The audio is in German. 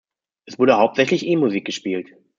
Es wurde hauptsächlich E-Musik gespielt.